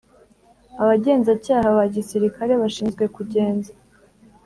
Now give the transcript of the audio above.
Abagenzacyaha ba Gisirikare bashinzwe kugenza